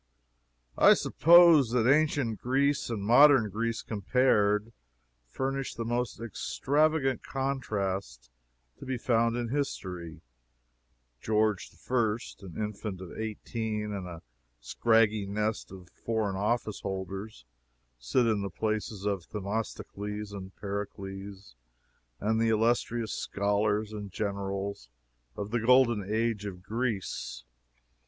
I suppose that ancient Greece and modern Greece compared, furnish the most extravagant contrast to be found in history. George I., an infant of eighteen, and a scraggy nest of foreign office holders, sit in the places of Themistocles, Pericles, and the illustrious scholars and generals of the Golden Age of Greece.